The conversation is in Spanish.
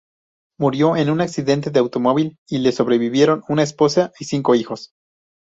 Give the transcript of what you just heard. Murió en un accidente de automóvil y le sobrevivieron una esposa y cinco hijos.